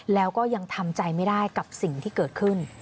แล้วก็ยังทำใจไม่ได้กับสิ่งที่เกิดขึ้น